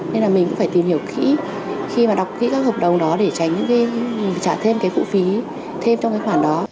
nên là mình cũng phải tìm hiểu kỹ khi mà đọc kỹ các hợp đồng đó để tránh trả thêm cái phụ phí thêm trong cái khoản đó